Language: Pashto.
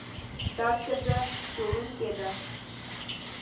دا ښځه ښوونکې ده.